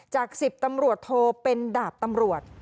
จาก๑๐ตำรวจโทเป็นดาบตำรวจ